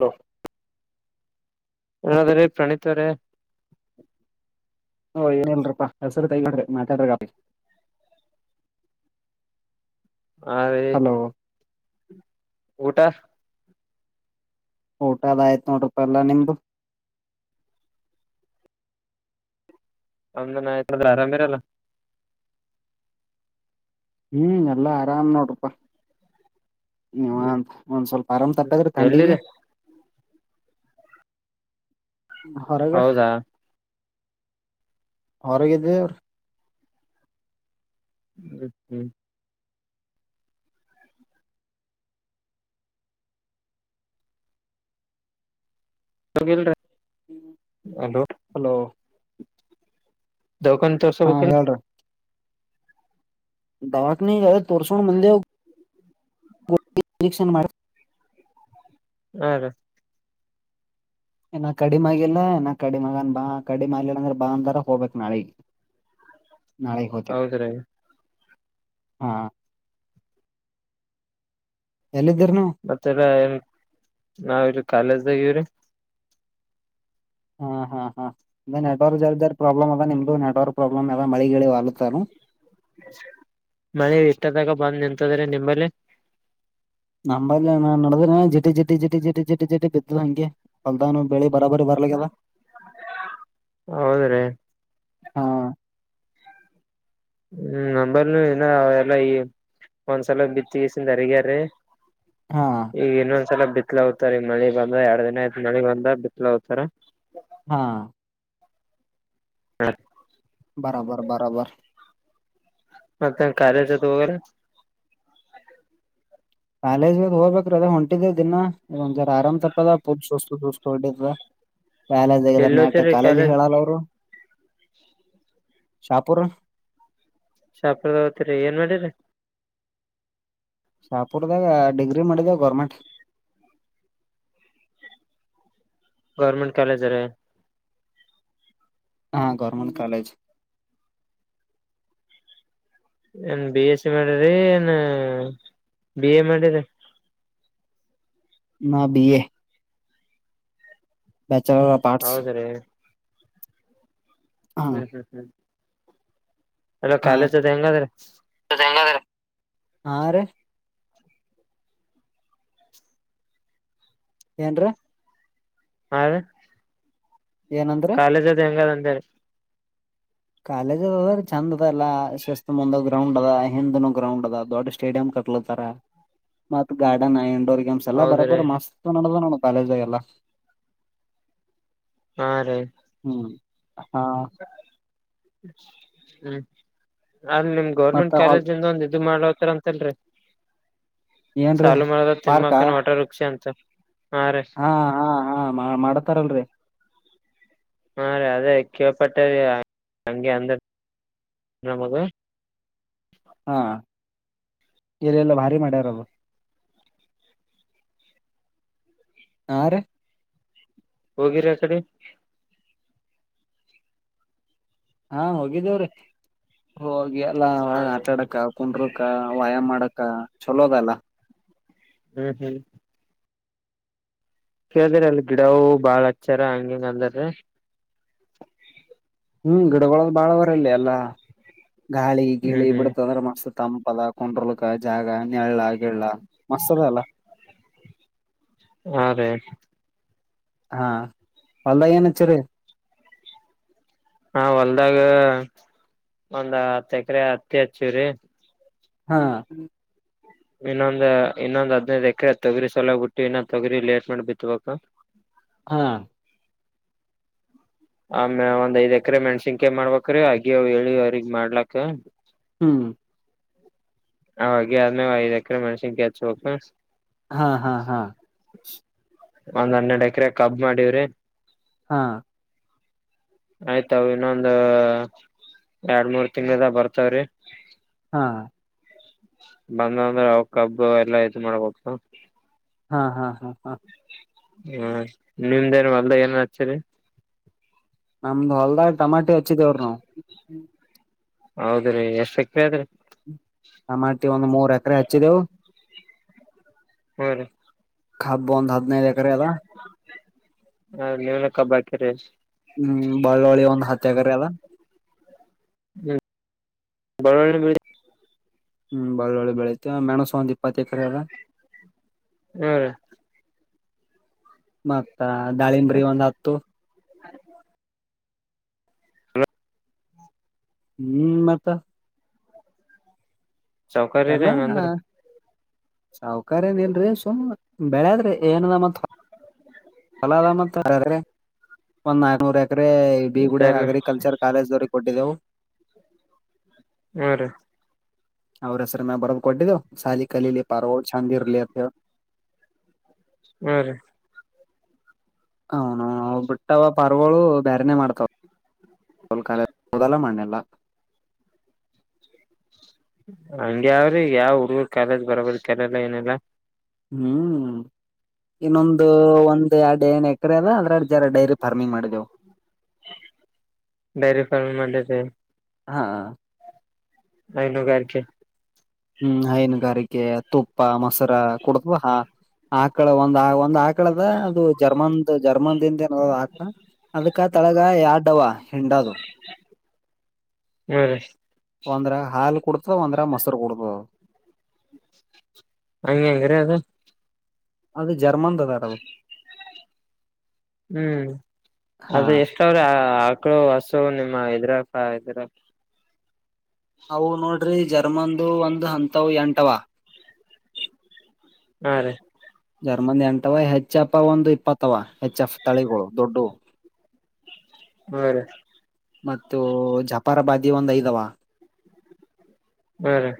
Hello [inaudible] ಪ್ರಣಿತರೇ ಓ ಏನ ಇಲ್ರಪ್ಪಾ ಹೆಸರು ತೈಗಾಡ್ರಿ ಮಾತಾಡ್ರ ಹಾ ರೀ ಊಟಾ ಊಟ ಆಯ್ತು ನೋಡಪ್ಪ ನಿಮ್ಮದು ನಮ್ದು ಆಯ್ತು ಆರಾಮ ಇರಲ್ಲ ಹ್ಮ್ ಎಲ್ಲಾ ಆರಾಮ್ ನೋಡ್ರಪಾ ಹ್ಮ್ ಒಂದ್ ಸ್ವಲ್ಪ ಆರಾಮ ತಪ್ಪಾದ್ರೆಡಿಗೆ ಎಲ್ಲಿರಿ ಹೊರಗ ಹೌದಾ ಹೊರಗಿದ ಅವ್ರ [unintelligible] ಹಲೋ [inaudible] ದಕನ್ ಹಾ ತರ್ಶಬೇಕೆನೋ ದವಾಕ ನೀ ಜಾರೆ ತೋರ್ಷಣ ಬಂದೆ ಇಕ್ಷ ಮಾಡ [unintelligible] ಇನ ಕಡಿಮೆ ಹಾಗಿಲ್ಲ ಇನ ಕಡಿಮೆಗನ್ ಬಾ ಕಡಿಮೆ ಆಗಿಲ್ಲ ಅಂದ್ರ ಬಾ ಅಂದಾರ ಹೋಗ್ಬೇಕಕ್ ನಾಳಿಗೆ ನಾಳೆ ಹೋದ್ರೆ ಹೌದ್ರಿ ಹಾ ಎಲ್ಲಿದ್ದೀರಿ ನೀವು ಮತ್ತೆಲ್ಲ ಏನ್ ನಾವು ಕಾಲೇಜ್ದಾಗವ್ರಿ ಹಾ ಹಾ ಹಾ ಅ ನೆಟ್ವರ್ಕ್ ಜರ ಜರ ಪ್ರಾಬ್ಲಮ ಅದ ನಿಮ್ದು ನೆಟ್ವರ್ಕ್ ಪ್ರಾಬ್ಲಮ್ ಅದ ಮಳ ಗಳಿ ಆಾಲತು ಮಳೆ ಇಟ್ಟದಾಗ ಬಂದು ನಿಂತದ್ರೆ ನಿಮ್ಮಲ್ಲಿ ನಂಬಲ್ಲಿ ನಾನ್ ನಡ್ದ ಜಿಟಿ ಜಿಟ ಜಿಟಿ ಜಿಟಿ ಜಿಟಿ ಜಿಟಿ ಬಿದ್ದು ಹಂಗೆ ಫಲ್ದಾನು ಬೆಳಿ ಬರಾಬರಿ ಬರ್ಲಗ್ಯದ ಹೌದ್ರೀ ಹಾ ಹ್ಮ್ ನಮ್ಮಲಿ ಇನ ಎಲ್ಲ ಈ ಒಂದ್ಸಲ ಬಿತ್ತಸಿಂದ ಅರಿಗ್ಯಾರೀ ಹಾ ಈಗ ಇನ್ನೊಂದ್ಸಲ ಬಿತ್ಲ ಹತಾರ ಮಳಿ ಬಂದ ಎರಡ್ ದಿನ ಆಯ್ತತ್ ಮಳಿ ಬಂದ ಬಿತ್ಲ ಹೋಗತಾರ ಹಾ [unintelligible] ಬರಬರ್ ಬರಬರ್ [inaudible] ಕಾಲೇಜ್ ಹೋಗ್ಬೇಕ್ರ ಅದ ಹೊಂಟಿದ ದಿನ ಒಂದ್ ಜರ ಆರಾಮ್ ತಪ್ಪದ ಪೂಜ ಸುಸ್ತುುಸ್ತು ಹೊಡಿದ್ರ ಕಾಲೇಜ್ಗ ಎಲ್ಲಿ ನಟ ಓದ್ತಿರಿ ಕಾಲೇಜ್ ಹೇಳಲ್ಲ ಅವ್ರು ಶಾಪುರ್ ಶಾಪ್ರದ ಹತರಿ ಏನ್ ಮಾಡಿರಿ ಶಾಪುರ್ದಾಗ ಡಿಗ್ರಿ ಮಾಡಿದವ ಗೌರ್ಮೆಂಟ್ [unintelligible] ಗೌರ್ಮೆಂಟ್ ಕಾಲೇಜ್ರ ಹಾ ಗೌರ್ಮೆಂಟ್ ಕಾಲೇಜ್ ಏನ್ ಬಿ ಎಸ್ ಸಿ ಮಾಡಿರಿ ಏನ್ ಬಿ ಎ ಮಾಡಿರಿ ನಾನು B A. Bachelor of arts. ಹೌದ್ರೀ ಹಾ ಹ್ಮ್ ಹ್ಮ್ ಹ್ಮ್. ಅಲ್ಲ ಹಾ ಕಾಲೇಜ್ ಅದ ಹೆಂಗ ಅದ್ರ. ಹಾ ರೀ ಏನ್ರೀ. ಹಾ ರೀ ಏನಂದ್ರಿ ಕಾಲೇಜ್ ಅದ್ ಹೆಂಗದ ಅಂದ್ರ. ಕಾಲೇಜ ಅದ ಅದ ಚಂದ ಅದ ಅಲ್ಲ ಶಿಸಸ್ತ ಮುಂದ ಗ್ರೌಂಡ್ ಅದ ಹಿಂದ ಗ್ರೌಂಡ್ ಅದ ದೊಡ್ಡ ಸ್ಟೇಡಿಯಂ. ಮ ಗ ಇ. [unintelligible] ಗಮ್ಸ್ ಎಲ್ಲ ಹೌದ್ರೀ ಬರಬದು ಮಸ್ತ್ ನೋಡನೋ ಕಾಲೇಜ ಎಲ್ಲ. ಹಾ -ರೀ. ಹ್ಮ್. ಹಾ ಹ್ಮ್. ಅಲ್ ನಿಮ್ ಮತ್ತ ಗೌರ್ಮೆಂಟ್ ಹೊಲ್ ಕಾಲೇಜಿಂದ ಒಂದ್ -ಇ- ಮಾಡ್ತರ ಅಂತಲ್ರರಿ. ಏನ್ರೀ ಸಾಲು ಮರದ ಪಾರ್ಕಾ ತಿಮ್ಮಮ್ಮಕ್ಕನ ವಾಟರ್ ವೃಕ್ಷ ಅಂತ. ಹಾ- ಹಾ -ಹಾ -ಮಾಡತಾರಲ್ರಿ. ಹಾ- ರೀ -ಅದೇ ಕಿವಪಟ್ಟ ಹಗೆ ಅಂದ. ನಾಮದೇ. ಹಾ- ಇಲ್ಲಲ್ಲ ಭಾರಿ ಮಾಡ್ಯಾರದು. ಹಾರಿ. ಹೋಗಿರಿ -ಆ -ಕಡೆ. ಹಾ- ಹೋಗಿದ್ದೇವ್ರೀ. ಹೋಗಿ ಎಲ್ಲಾ ಹಾ ಒಳಗ ರೀ ಆಟಾಡಕ ಕುಂಡ್ರಕ ವ್ಯಾಯಾಮ ಮಾಡಕ ಚಲೋ ಅದಲ್ಲ. ಹ್ಮ- ಹ್ಮ್. ಕೇಳ್ದ್ರ ಅಲ್ಲಿ ಗಿಡವು ಬಾಳ ಹಚ್ಚಾರ ಹಂಗಿಂಗ ಅಲ್ದ್ರ. ಹ್ಮ್ -ಗಿಡಗಳದ ಬಾಳ್ ಬರಲ್ಲಿ ಎಲ್ಲಾ ಗಾಳಿ ಹ್ಮ್ ಗಿಳಿ ಹ್ಮ್ ಬಿಡತ ಅಂದ್ರೆ ಮಸ್. ತಂಪದ ಕುಂಡ್ರಲ್ಕ ಜಾಗ ನಳ ಗಗೆಳ್ಳ ಮಸ್ತ್ ಅದ ಅಲ್ಲ. [inaudible] ಹಾ- ರ್ರೀ ಹಾ- [unintelligible] ಪಲ್ಲ ಏನಚ್ಚರಿ. ಹಾ -ಹೊಲ್ದಾಗ ಒಂದ್ ಹತ್ತ ಎಕರೆ ಹತ್ತಿ ಹಚ್ಚವ್ರಿ. ಹಾ. ಇನ್ನೊಂದ್ ಇನ್ನೊಂದ್ ಹದಿನೈದು ಎಕರೆ ತೊಗರಿ ಸಲ ಬಿಟ್ಟು ಇನ್ನೊಂದ್ ತೊಗಿರಿ ಲೇಟ್ ಮಾಡಿ ಬಿತ್ ಬ. ಹಾ ಆಮೇ ಒಂದ್ಐದ್ ಎಕರೆ ಮೆಣಸಿನ್ಕಿ ಮಾಡ್ಬ್ರೀ ಅಗಿ ಹೇಳಿವ ಅವ್ರಗ್ ಮಾಡ್ಲಕ್ಕ. ಹ್ಮ್. ಅವಾಗ ಆದದ್ಮೇ ಐದ ಎಕರೆ ಮೆಣಸಿನ ಕಾಯಿ ಹೆಚ್ ಹಬೇಕ. ಹಾ -ಹಾ- ಹಾ. ಒಂದ್ ಹನ್ನೆರಡ್ ಎಕರೆ ಕಬ್ ಮಾಡವ್ರಿ. ಹಾ. ಆಯ್ತಾವ ಇನ್ನೊಂದ ಎರಡ್ ಮೂರ್ ತಿಂಗಳದ ಬರ್ತವ್ರಿ. ಹಾ. ಬಂದಂದ್ರೆ ಅವ ಕಬ್ಬ ಎಲ್ಲಾ -ಇ -ಮಾಡ್ಬೇಕ. ಹಾ -ಹಾ -ಹಾ- ಹಾ. ಹ್ಮ- ನಿಮ್ದೇಏನು ಅಲ್ದ ಏನ್ ಹಚ್ಚರಿ. ನಮ್ದು ಹೊಲ್ದಾಗ ಟಮಾಟೆ ಹಚ್ಚಿದೇವ್ರ ನಾವವು. ಹೌದ್ರೀ ಎಷ್ಟ ಎಕ್ರಾದರೆ. ಟಮಾಟಿ ಒಂದು ಮೂರ್ ಎಕರೆ ಹಚ್ಚಿದೆವು. ಹ್ಮ- ರೀ. ಕಬ್ಬು ಒಂದು ಹದಿನೈದು ಎಕರೆ ಅದಾ. ಹ- ನೀವನ ಕಬ್ಬ ಹಾಕಿರಿ ಹ್ಮ್ -ಬಳ್ಳುಳಿ ಒಂದ್ ಹತ್ತುಎಕರೆ ಅದೇ. ಹ್ಮ್- ಬಳುಳ್ಳಿ ಹ್ಮ್ -ಬಳ್ಳ್ ಒಳ್ಳೆ ಬೆಳತಿ ಮೆಣಸ ಒಂದ್ ಇಪ್ಪತ್ತ ಎಕರೆ ಅದಾ. ಹ್ಮ್ ರೀ ಮತ್ತ ದಾಳಿಂಬರಿ ಒಂದ್ ಹತ್ತು. ಹ ಹ್ಮ್ -ಮತ್ತ ಸೌಕಾರಿ ಅಂದರು. ಸಾವಕಾರಿ ಏನ ಇಲ್ರರಿ ಸುಮ್ ಬೆಳೆದ್ರಿ ಏನದ ಮತ್. ಅಳ ಅದ ಮತ್ತ ಒಂದ ನಾಲ್ಕ ನೂರ ಎಕರೆ -ಈ -ಬಿಗುಡ ಮತ್ತೆಲ್ಲ ಅಗ್ರಿಕಲ್ಚರ್ ಕಾಲೇಜ್ ದವ್ರರಿಗೆ ಕೊಟ್ಟಿದ್ದೆವು. ಹ್ಮ್- ರೀ ಅವ್ರಸರಿ ಮ ಬರದ್ ಕೊಟ್ಟಿದ್ದವು ಸಾಲಿ ಕಲೀಲಿ ಪಾರ್ಳ ಚಂದಿ ಇರ್ಲಿ ಅಂತ. [inaudible] ಹ್ಮ್ -ರೀ. ಹನು ಅವ ಬಿಟ್ಟವ ಪರ್ವಾಳು ಬೇರನೆ ಮಾಡ್ತಾವ. ತಲ್ಕಾಲ ಮದಲ ಮಣ್ಣಲ್ಲ. ಹಂಗ್ಯಾವ್ರಿ ಯಾವ ಹುಡುಗರ್ ಕಾಲೇಜ್ ಬರಬದ ಕೆರೆಲ್ಲ ಏನೆಲ್ಲಾ. ಹ್ಮ್ ಇನ್ನೊಂದು ಒಂದ್ ಎರಡು -ಏ -ಎಕರೆ ಅದ ಅದ್ರ ಎಡು ಜರ ಡೈರಿ ಫಾರ್ಮಿಂಗ್ ಮಾಡಿದೆವು. ಡೇರಿಫಾರ್ಮ ಮಾಡ ಹಾ- ಅನುಾರಕ್ಕೆ [unintelligible] ಹ್ಮ್- ಹೈನುಗಾರಿಕೆ ತುಪ್ಪ ಮೊಸರಾ ಕುಡದ್ವಾ- ಹ ಆಕಳ ಒಂದ ಒಂದ್ ಆಕಳದ ಅದು ಜರ್ಮನ್ ಜರ್ಮನ್ದ ಏನ ಆಕ್ತ ಅದಕ ತಳಗ ಯಾರ್ಡವ ಹೆಂಡದು. ಹ್ಮ್ -ರಿ. ಒಂದ್ರ ಹಾಲು ಕುಡ್ತದ ಒಂದ್ರ ಮೊಸರು ಕುಡ್ತದ. ಹಂಗೆ ಹೆಂಗ್ರೀ ಅದು ಅದು ಜರ್ಮಂದ ತಾಡದು. ಹ್ಮ್- ಹಾ ಅದು ಎಷ್ಟ ಅವ್ರ ಮಕ್ಕಳು ಹಸು ನಿಮ್ಮ ಹದರದರ ಅವು ನೋಡ್ರಿ ಜರ್ಮನ್ದು ಒಂದು ಹಂತವು ಎಂಟವಾ. ಹಾ -ರೀ ಜರ್ಮನ್ ಎಂಟವ ಹೆಚ್ಪ್ಪ ಒಂದು ಇಪ್ಪತ್ತವ ಹೆಚ್ಫ ತಳಿಗಳು ದೊಡ್ಡ. ಹಾ ರೀ ಮತ್ತು ಜಪಾರ ಬಾದಿ ಒಂದ್ ಐದವಾ. ಹರಿ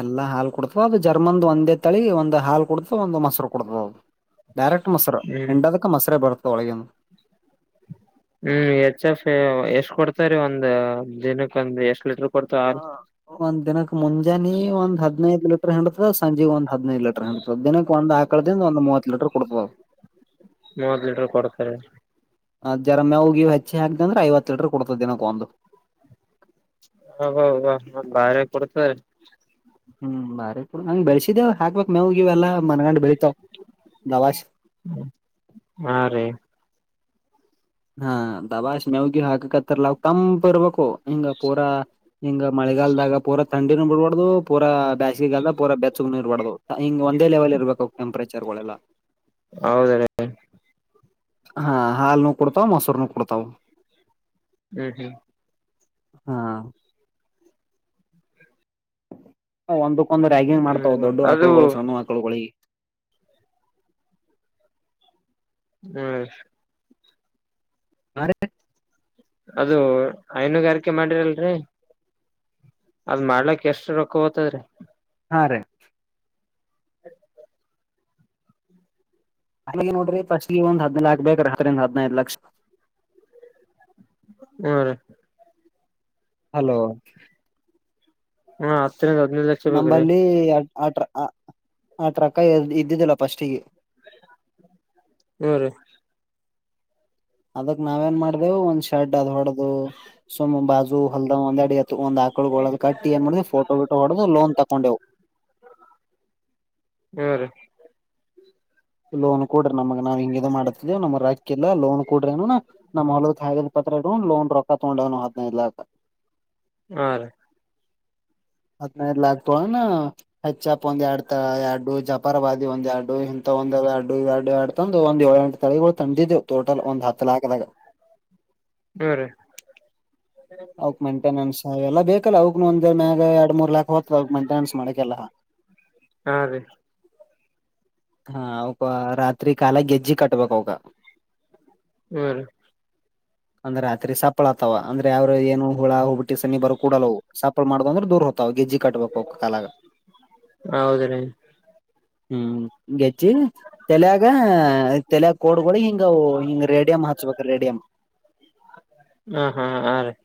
ಎಲ್ಲಾ ಹಾಲ್ ಕೊಡ್ತವ ಅದು ಜರ್ಮನ್ದ ಒಂದೇ ತಳಿ ಒಂದು ಹಾಲ್ ಕೊಡ್ತವ ಒಂದು ಮೊಸರು ಕೊಡ್ತ ಅದು. ಡೈರೆಕ್ಟ್ ಮಸರ ಹ್ಮ್ ಎಂಡದಕ್ಕೆ ಮಸರ ಬರತು ಒಳೆಯನ್ನು. ಹ್ಮ್ -ಎಚ್ ಎಫ್ ಎಷ್ಟ್ ಕೊಡ್ತರಿ ಒಂದ ದಿನಕ್ಕೆ ಒಂದ್ ಎಷ್ಟ್ ಲೀಟ್ರ. ಕೊಡ್ತಾರ ಒಂದ ದಿನಕ್ ಮುಂಜಾನೆ ಒಂದ್ ಹದ್ನೈಂದು ಲೀಟರ್ ಹಿಂಡತ ಸಂಜೆ ಒಂದ ಹದಿ ನೈದು ಲೀಟರ್ ಹಂತವ ದಿನಕ್ಕೆ ಒಂದ್ ಆಕಳದಿಂದ ಒಂದು ಮೂವತ್ತು ಲೀಟರ್ ಕೊಡ್ತವ್. ಮೂವತ್ ಲೀಟರ್ ಕೊಡ್ತಾರೆ. ಅ- ಜರ ಮೇಗೆವು ಹೆಚ್ಚಿ ಹಾಕ್ದೆ ಅಂದ್ರೆ ಐವತ್ತು ಲೀಟರ್ ಕೊಡ್ತದ ದಿನಕ್ಕೊಂದು. ಹಬ ಹಬ ಬಾರ ಕೊಡ್ತದೆ. ಹ್ಮ್- ಬಾರೆ ಪಡ ಹಂಗಗೆ ಬೆಳಸಿದೆವು ಹಾಕ್ಬೇಕ. ಮವುಗವೆಲ್ಲ ಮನಗಂಡ ಬೆಳಿತಾವ ಲವಾಶ. ಹಾ ರೀ ಹಾ -ದವಾಶ್ಮ್ಯಾವುಗೆ ಹಾಕ. ತಂಪ ಇರ್ಬೇಕು ಹಿಂಗ ಪೂರಾ ಹಿಂಗ ಮಳೆಗಾಲದಾಗ ಪೂರಾ ತಂಡಿನ ಬಿಡ್ಬಾರಡ್ದು ಪೂರಾ ಬೇಸಿಗೆಗಾಲದ ಪೂರ ಬೆಚ್ಚಗ ನೀ ಇರ್ಬಾರ್ದದು ಹಿಂಗ ಒಂದೇ ಲೆವೆಲ್ ಇರ್ಬೇಕು ಟೆಂಪ್ರೇಚರ್ಗಳೆಲ್ಲ. ಹೌದ -ರೀ- ಹಾ -ಹಾಲ್ನು ಕೊಡ್ತಾವ ಮೊಸರ್ನು ಕೊಡ್ತಾವ. ಹ್ಮ್ -ಹ್ಮ್ ಹಾ ಒಂದಕ್ಕೊಂದು ರ್ಯಾಗಿಂಗ್ ಮಾಡ್ತಾವ ಹ್ಮ್ ದೊಡ್ಡ ಅದು ಆಕಳುಗಳು ಸಣ್ಣ ಆಕಳುಗಳಿಗೆ. ಹ್ಮ್ ಹ- [unintelligible] ರ ಅದು ಹೈನುಗಾರಿಕೆ ಮಾಡಿರಲ್ರಿ. ಅದ್ ಮಾಡ್ಲಾಕ್ ಎಷ್ಟು ರೊಕ್ಕ ತದ್ರೀ. ಹಾ- ರೀ. ಅ -ನೋಡ್ರಿ ಫಸ್ಗೆ ಒಂದ್ ಹದ್ನ ಲಾಕ್ ಬೇಕ್ರ ರಾತ್ರಿ ಒಂದ್ ಹದ್ನೈದ್ ಲಕ್ಷ. ಹ್ಮ್ - ಹಲೋ ಹ್ಮ ಹತ್ತರಿಂದ ಹದ್ನೈದು ಲಕ್ಷ ಬೇಕ್ರೀ ನಂಬಲ್ಲಿ ಆ -ಟ್ರ- ಆ -ಟ್ರಕ್ಕ ಇದ್ದಿದ್ದಲ್ಲ ಫಸ್ಟ್ಗೆ ಹ್ಮ್ - ಅದಕ್ ನಾವ ಏನ್ ಮಾಡ್ದವು ಒಂದ್ ಶರ್ಟ್ ಅದ್ ಹೊಡ್ದದು ಸುಮ್ ಬಾಜು ಹ ಹೊಲ್ದ್ ಒಂದ್ ಅಡಿ. ಒಂದ್ ಆಕಳಗ್ ಒದ ಕಟ್ಟಿ ಏನ್ ಮಾಡ ಫೋಟೋ ವೀಟೋ ಹೊಡದು ಲೋನ್ ತಕೊಂಡೆವು. ಹ್ಮ- ರೀ ಲೋನ್ ಕೂಡ್ರ ನಮ. ನಾವ್ ಹಿಂಗಿದ ಮಾಡತವ ನಮ್ ರಕ್ಕಲ್ಲ ಲೋನ್ ಕೂಡ್ರೇನು ನಮ್ಮ ಹೊಲದ ಕ ಪತ್ರ ಲೋನ್ ರೊ ಕಕೊಂಡನು ಹದಿನೈದು ಲಾಖ. ಹಾ- ರೀ ಹದ್ನೈದಲ ಆಗ್ತಳನಾ ಹೆಚ್ಚಪ್ ಒಂದ್ ಎರಡ್ ತ ಎರಡು ಜಪಾರವಾದಿ ಒಂದ ಎರಡು ಇಂಥ. ಒಂದ ಅಡು ಎರಡು ಎರಡು ತಂದು ಒಂದ್ಏು ಎಂಟು ತಳಿಗಳು ತಂದಿದ್ದೆವು ಟೋಟಲ್ ಒಂದ್ ಹತ್ತು ಲಾಖದಾಗ. ಹ್ಮ್- ರೀ ಅವಕ್ ಮೈಂಟೆನೆನ್ಸ್ ಎಲ್ಲ ಬೇಕಲ್ಲ ಅವಕ್ನು ಒಂದ್ ಮ್ಯಾಗ ಎರ ಮೂರ್ ಲಾಕ್ ಹೋತದ ಅವಕ್ ಮೈಂಟನೆನ್ಸ್ ಮಾಡಕೆಲ್ಲಾ. [inaudible] ಹಾ- ರೀ ಹಾ -ಅವಕ ರಾತ್ರಿ ಕಾಲ ಗೆಜ್ಜಿ ಕಟ್ಬೇಕಕ್ ಅವಕ. ಹ್ಮ್- ರೀ ಹ [unintelligible] ಅಂದ್ರೆ ರತ್ರಿ ಸಪ್ಪಳ ಆತವ ಅಂದ್ರ ಅವ್ರರು ಏನು ಹುಳ ಹುಬಟ್ಟಿ ಸಿ ಬರು ಕೂಡಲ್ಲವು ಸಾಪ್ಪಳ್ ಮಾಡುದು ಅ್ರದೂ -ಹ ಗೆಜ್ಜಿ ಕಬೇಕು ಕಾಲ -ಗಾ- ಹೌದ್ರಿ ಹ್ಮ ಚ್ಚಿ -ತಲ್ಯಾಗ ತಲ್ಯಾಗ್ ಕೋಡ್ಗಳಿ ಹಿಂಗವು ಹಿಂಗ ರೇಡಿಯಂ ಹಚ್ಬೇಕ ರೇಡಿಯಂ [inaudible] ಹ -ಹಾ -ಹ -ರೀ-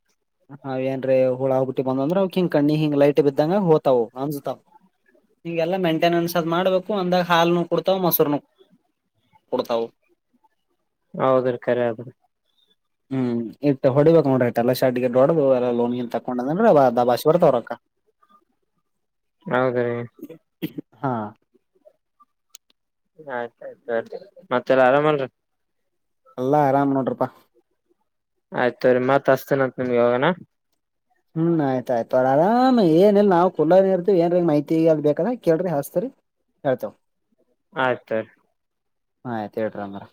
ಹ ಏನ್ ಹಳ ಹೋಗಬಿಟ್ಟಿ ಬಂದ್ರ ಅವ ಹಿಂಗ ಕಣ್ಣಿ ಹಿಂಗ್ ಲೈಟ್ ಬ್ದಂಗ ಹೋತವು್ ಅನ್ಜತಾವ್. ನೀಗೆಲ್ಲ ಮೇಂಟೆನೆನ್ಸ್ ಅದ್ ಮಾಡ್ಬೇಕು ಅಂದಾಗ ಹಾಲ್ನು ಕುಡ್ತಾವ ಮೊಸರುನ. ಕೊಡ್ತಾವು. ಹೌದ್ರ ಕಖರೆ ಅದ್ರ. ಹ್ಮ್ -ಇಟ್ಟ ಹೊಡಿಬೇಕ್ರ ಇಟ್ ಎಲ್ಲ ಶಡ್ಗ ಡ್ದ ಎಲ್ಲ ಲೋನ್ನ್ ತಕೊಂಡ್ ಅಂದ್ರ ಅವ ಅಂದಾ ಬಾಶವಡೆ ತೊರಕ್ಕ ಹೌದ -ರೀ ಹಾ ಆಯ್ತಾಯಯ್ತುನ್ರಿ ಮತ್ತೆಲ್ಲ ಆರಾಮಲ್ರಿ. ಅಲ್ಲಾ ಆರಾಮ ನೋಡ್ರಪ್ಪಾ. ಆಯ್ತ್ರರಿ ಮತ್ ಅಸ್ತೇನತ್ ನಿಮಗೆ ಇಗಣ ಹ್ಮ್ -ಆಯ್ತಯ್ತು ಆರಾಮ್ ಏನಲ್ ನಾವವು ಕುಲ ಇರ್ದು ಏನ್ ಮಾಹಿತಿ ಅ ಬೇಕಲ್ಲ ಕೇಳ್ರಿ ಹಸತರಿ ಹಯತ ಆಯ್ತು. ಹಾತೇಟರ್ ಮರ